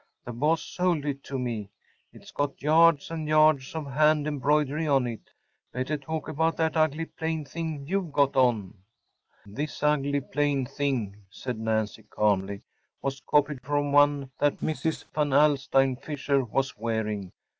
The boss sold it to me. It’s got yards and yards of hand embroidery on it. Better talk about that ugly, plain thing you’ve got on.‚ÄĚ “This ugly, plain thing,‚ÄĚ said Nancy, calmly, “was copied from one that Mrs. Van Alstyne Fisher was wearing.